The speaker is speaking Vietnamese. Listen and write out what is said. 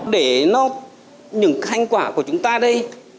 để những hành quả của chúng ta đây